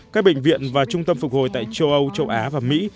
các bệnh viện và trung tâm phục hồi tại châu âu châu á và mỹ